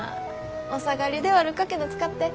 お下がりで悪かけど使って。